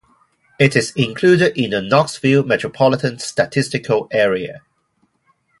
It is included in the Knoxville Metropolitan Statistical Area.